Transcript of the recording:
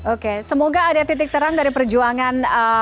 oke semoga ada titik terang dari perjuangan